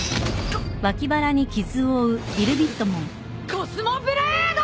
コスモブレード！